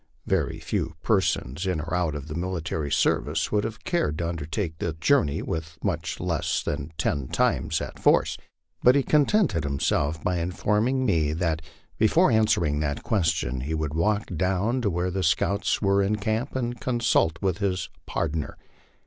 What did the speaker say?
Very few persons in or out of the military service would have cared to undertake the journey with much less than ten times that force, but he contented himself by informing me that be fore answering that question he would walk down to where the scouts were in camp and consult his "pardner."